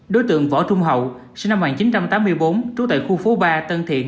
đối tượng võ trung hậu sinh năm một nghìn chín trăm tám mươi bốn trú tại khu phố ba tân thiện